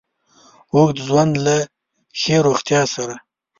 اوږد ژوند له له ښې روغتیا سره